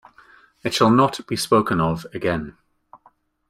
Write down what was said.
It shall not be spoken of again.